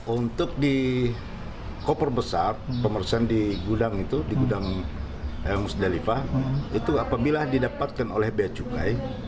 untuk di koper besar pemeriksaan di gudang itu di gudang musdalifah itu apabila didapatkan oleh bea cukai